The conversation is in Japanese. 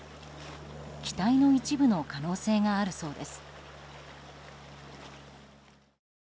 機体の一部の可能性があるそうです。